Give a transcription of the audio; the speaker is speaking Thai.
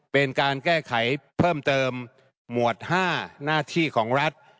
เป็นการแก้ไขเพิ่มเติมหมวด๕หน้าที่ของรัฐ